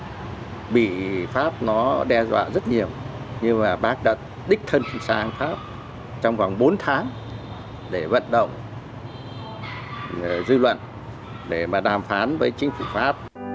và bị pháp nó đe dọa rất nhiều nhưng mà bác đã đích thân sang pháp trong vòng bốn tháng để vận động dư luận để mà đàm phán với chính phủ pháp